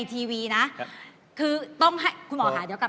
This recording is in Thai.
ได้เปล่าคุณหมอแล้วเราเป็นคนริมด้วยกัน